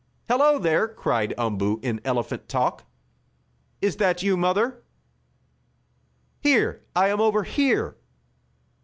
"Hello there!" cried Umboo in elephant talk. "Is that you, Mother? Here I am, over here!"